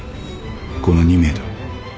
この２名だ。